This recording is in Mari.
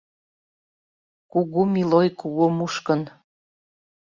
Кугу милой Кугу Мушкын